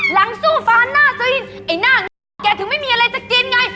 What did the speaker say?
หลังสู้ฟ้าหน้าซื้อไอ้หน้างอกแกถึงไม่มีอะไรจะกินไง